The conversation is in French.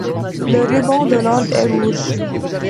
Le ruban de l'Ordre est rouge.